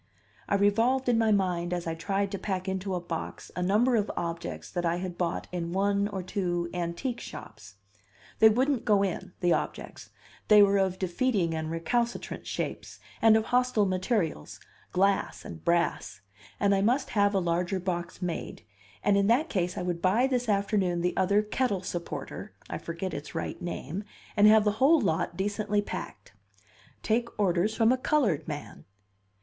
I revolved in my mind as I tried to pack into a box a number of objects that I had bought in one or to "antique" shops. They wouldn't go in, the objects; they were of defeating and recalcitrant shapes, and of hostile materials glass and brass and I must have a larger box made, and in that case I would buy this afternoon the other kettle supporter (I forget its right name) and have the whole lot decently packed. Take orders from a colored man?